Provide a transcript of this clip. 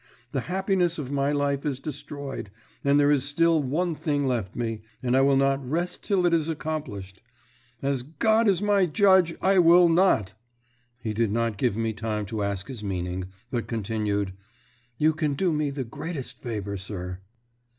The happiness of my life is destroyed but there is still one thing left me, and I will not rest till it is accomplished. As God is my judge, I will not!" He did not give me time to ask his meaning, but continued: "You can do me the greatest favour, sir."